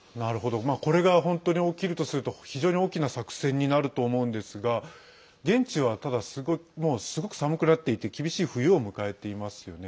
これが本当に起きるとすると非常に大きな作戦になると思うんですが現地はもうすごく寒くなっていて厳しい冬を迎えていますよね。